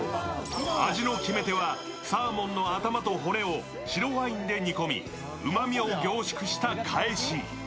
味の決め手はサーモンの頭と骨を白ワインで煮込み、うまみを凝縮した返し。